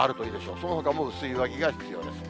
そのほかも薄い上着が必要です。